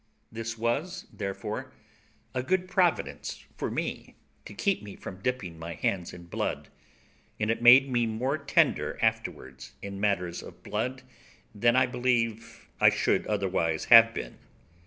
This was, therefore, a good providence for me to keep me from dipping my hands in blood, and it made me more tender afterwards in matters of blood than I believe I should otherwise have been.